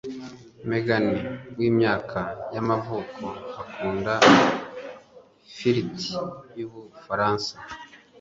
Megan w'imyaka y'amavuko akunda ifiriti yubufaransa.